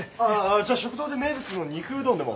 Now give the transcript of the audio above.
じゃあ食堂で名物の肉うどんでも。